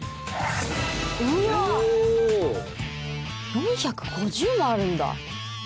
４５０もあるんだ！